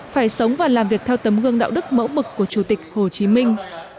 phải sống và làm việc theo tấm gương đạo đức mẫu mực của chủ tịch hồ chí minh